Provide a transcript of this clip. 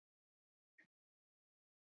出身高阳许氏。